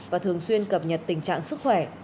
và thường xuyên cập nhật tình trạng sức khỏe